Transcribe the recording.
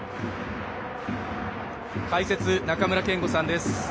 解説、中村憲剛さんです。